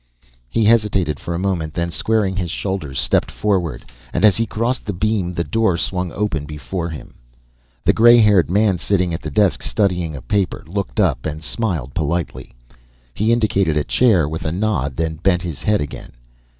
He hesitated for a moment, then squaring his shoulders stepped forward, and as he crossed the beam the door swung open before him. The gray haired man sitting at the desk studying a paper, looked up and smiled politely. He indicated a chair with a nod then bent his head again.